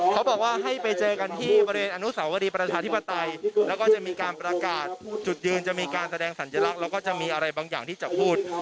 เขาบอกว่าให้ไปเจอกันที่บริเวณอนุสาวรีประชาธิปไตยแล้วก็จะมีการประกาศจุดยืนจะมีการแสดงสัญลักษณ์แล้วก็จะมีอะไรบางอย่างที่จะพูด